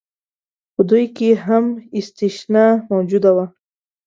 په دوی کې هم استثنا موجوده وه.